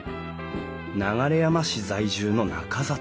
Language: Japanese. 流山市在住の中里さん。